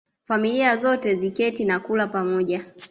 Familia zote ziketi na kula pamoja